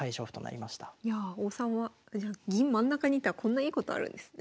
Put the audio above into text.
いやあ王様銀真ん中にいたらこんないいことあるんですね。